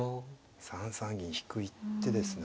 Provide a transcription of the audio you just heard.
３三銀引く一手ですね